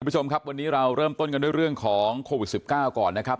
คุณผู้ชมครับวันนี้เราเริ่มต้นกันด้วยเรื่องของโควิด๑๙ก่อนนะครับ